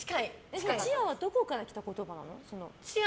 チアはどこからきた言葉なの？